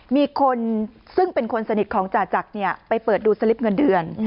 มีคนซึ่งเป็นคนสนิทของจ่าจักรไปเปิดดูสลิปเงินเดือน